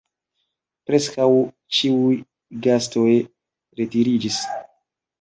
Preskaŭ ĉiuj gastoj retiriĝis.